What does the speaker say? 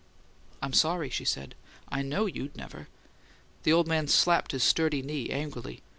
"I'm sorry," she said. "I know you'd never " The old man slapped his sturdy knee, angrily.